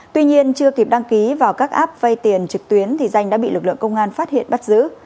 tuy nhiên chưa kịp đăng ký vào các app vay tiền trực tuyến thì danh đã bị lực lượng công an phát hiện bắt giữ